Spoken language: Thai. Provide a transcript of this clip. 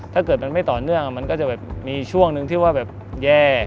ถ้าเกิดมันไม่ต่อเนื่องมันก็จะแบบมีช่วงหนึ่งที่ว่าแบบแย่